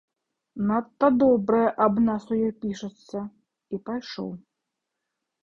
Надта добрае аб нас у ёй пішацца, і пайшоў.